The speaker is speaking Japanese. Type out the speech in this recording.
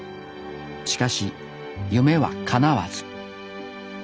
しかし夢はかなわず。